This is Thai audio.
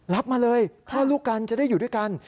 รับมาเลยคลอดลูกกันจะได้อยู่ด้วยกัน